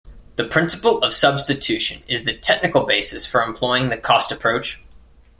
The principle of substitution is the technical basis for employing the cost approach.